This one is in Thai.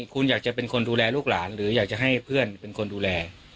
คุณอยากจะเป็นคนดูแลลูกหลานหรืออยากจะให้เพื่อนเป็นคนดูแล